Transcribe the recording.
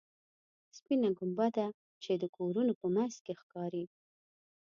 سپینه ګنبده چې د کورونو په منځ کې ښکاري.